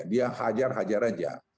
dia hajar hajar saja